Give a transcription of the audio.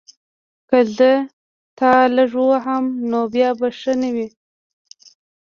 که زه تا لږ ووهم نو بیا به ښه نه وي